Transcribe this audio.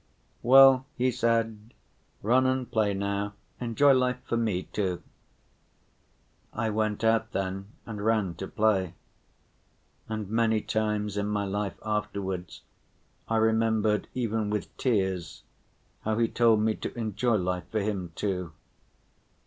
"Well," he said, "run and play now, enjoy life for me too." I went out then and ran to play. And many times in my life afterwards I remembered even with tears how he told me to enjoy life for him too.